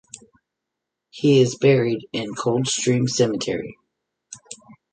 He is buried in Coldstream Cemetery.